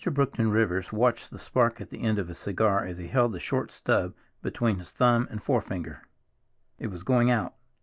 BROOKTON RIVERS watched the spark at the end of his cigar as he held the short stub between his thumb and forefinger. It was going out.